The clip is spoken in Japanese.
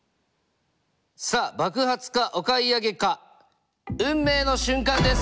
さあ爆発かお買い上げか運命の瞬間です！